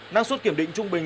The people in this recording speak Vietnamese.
năng suất kiểm định trung bình